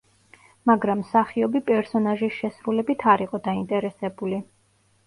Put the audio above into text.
მაგრამ მსახიობი პერსონაჟის შესრულებით არ იყო დაინტერესებული.